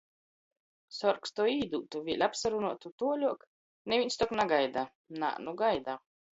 Sorgs to īdūtu. Vēļ apsarunuotu. Tuoļuok? Nivīns tok nagaida. Nā, nu gaida.